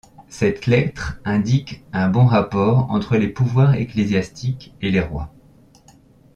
Cette lettre indique un bon rapport entre les pouvoirs ecclésiastiques et les rois.